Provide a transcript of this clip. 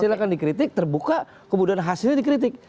silahkan dikritik terbuka kemudian hasilnya dikritik